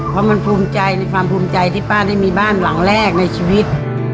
เพราะมันภูมิใจในความภูมิใจที่ป้าได้มีบ้านหลังแรกในชีวิต